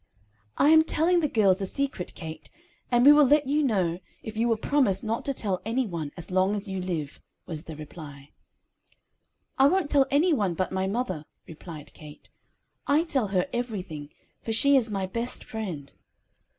"I am telling the girls a secret, Kate, and we will let you know, if you will promise not to tell any one as long as you live," was the reply. "I won't tell any one but my mother," replied Kate. "I tell her everything, for she is my best friend."